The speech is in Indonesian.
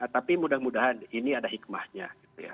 tapi mudah mudahan ini ada hikmahnya gitu ya